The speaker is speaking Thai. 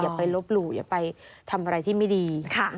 อย่าไปลบหลู่อย่าไปทำอะไรที่ไม่ดี